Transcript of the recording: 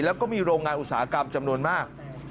แล้วก็มีโรงงานอุตสาหกรรมจำนวนมาก